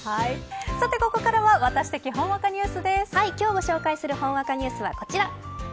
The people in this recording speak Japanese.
さてここからは今日ご紹介するほんわかニュースはこちら。